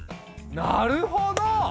なるほど！